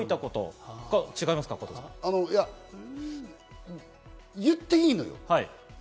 違いま言っていいのよ。